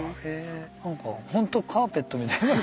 何かホントカーペットみたい。